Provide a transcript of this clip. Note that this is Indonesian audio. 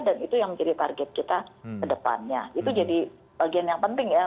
dan itu yang menjadi target kita ke depannya itu jadi bagian yang penting ya